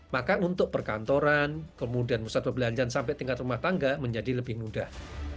maka untuk perkantoran kemudian pusat perbelanjaan sampai tingkat rumah tangga menjadi lebih mudah